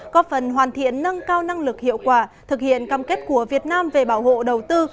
có phần hoàn thiện nâng cao năng lực hiệu quả thực hiện cam kết của việt nam về bảo hộ đầu tư